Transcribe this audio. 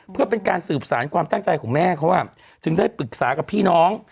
เพื่อเป็นการสืบสารความตั้งใจของแม่เขาถึงได้ปรึกษากับพี่น้อง